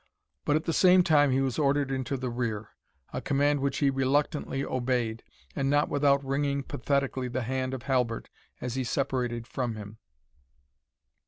But at the same time he was ordered into the rear; a command which he reluctantly obeyed, and not without wringing pathetically the hand of Halbert as he separated from him.